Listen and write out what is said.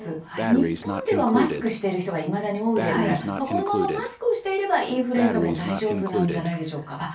日本ではマスクしている人がいまだに多いですからこのままマスクをしていればインフルエンザも大丈夫なんじゃないでしょうか？